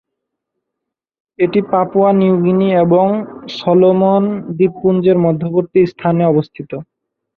এটি Papua New Guinea এবং Solomon দ্বীপপুঞ্জের মধ্যবর্তী স্থানে অবস্থিত।